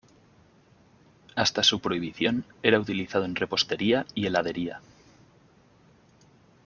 Hasta su prohibición era utilizado en repostería y heladería.